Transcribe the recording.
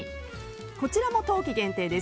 こちらも冬季限定です。